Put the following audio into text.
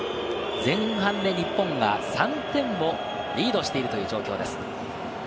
前半で日本が３点をリードしているという状況です。